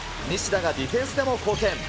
西田がディフェンスでも貢献。